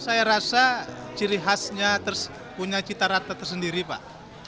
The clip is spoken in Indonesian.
saya rasa ciri khasnya punya citarata tersendiri pak